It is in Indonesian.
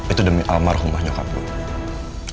itu demi almarhumah nyokap gue